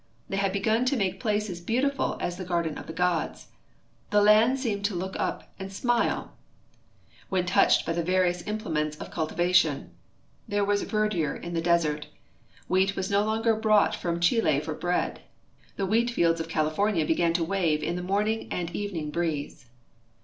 They had begun to make ])laces beautiful as the garden of the gods. The land seemed to look uj) and smile AA'hen 320 CALIFORNIA touched by the various implements of cultivation. There was verdure in the desert. Wheat was no longer brought from Chili for bread. The wheat fields of California began to wave in the morning and evening breeze.